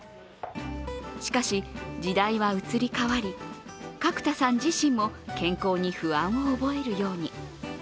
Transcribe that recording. しかし、時代は移り変わり角田さん自身も健康に不安を覚えるように。